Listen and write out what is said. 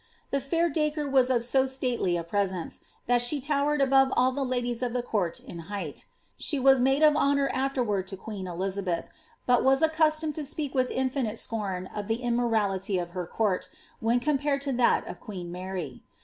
The fair Dacre was of so stately a presence, thai ahlf towered above all the ladie.i of the court in height ; she was tnaid of honour afterward to queen Elizabeth, but was accustomed to speak witS infinite scorn of the immorality of her court, when compared to that of queen Mary.